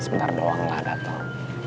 sebentar doang lah dateng